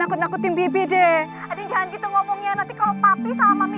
angkut angkutin bibi den ading jangan gitu ngomongnya nanti kalau papi sama mami